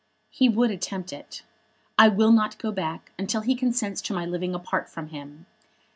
"He would attempt it. I will not go back until he consents to my living apart from him.